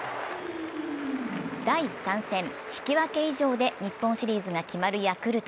第３戦、引き分け以上で日本シリーズが決まるヤクルト。